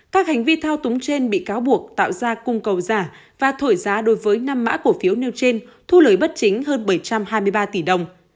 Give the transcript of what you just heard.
các hành vi thao túng trên bị cáo buộc tạo ra cung cầu giả và thổi giá đối với năm mã cổ phiếu nêu trên thu lời bất chính hơn bảy trăm hai mươi ba tỷ đồng